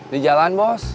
di jalan bos